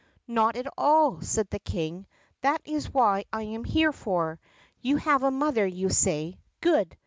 "Not at all," said the King, "that is what I am here for. You have a mother, you say. Good.